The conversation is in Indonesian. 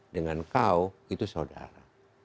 dengan kau itu saudara